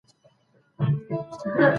هغه سړی په خپل ژوند کي هیڅکله نه ناهیلی کېږي.